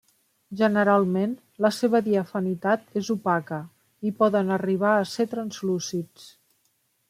Generalment la seva diafanitat és opaca, i poden arribar a ser translúcids.